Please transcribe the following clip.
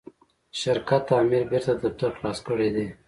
شرکت آمر بیرته دفتر خلاص کړی دی.